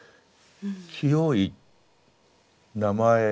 「清い」「名前」